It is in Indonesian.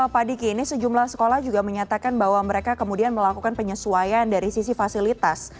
pak diki ini sejumlah sekolah juga menyatakan bahwa mereka kemudian melakukan penyesuaian dari sisi fasilitas